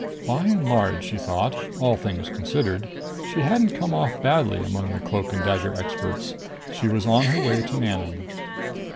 By and large, she thought all things considered she hadn't come off badly among the cloak and dagger experts! She was on her way to Manon.